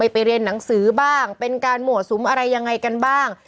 ไปเรียนหนังสือบ้างเป็นการหมวดสุมอะไรยังไงกันบ้าง